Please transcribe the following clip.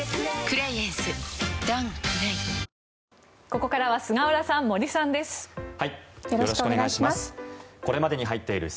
ここからは菅原さん、森さんです。